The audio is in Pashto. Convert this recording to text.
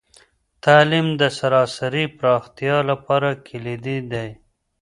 تعلیم د سراسري پراختیا لپاره کلیدي دی.